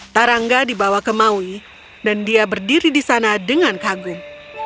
tarangga dibawa ke maui dan dia berdiri di sana dengan kagum